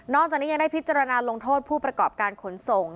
จากนี้ยังได้พิจารณาลงโทษผู้ประกอบการขนส่ง